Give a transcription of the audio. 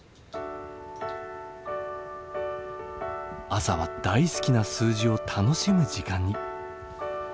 朝は大好きな数字を楽しむ時間に。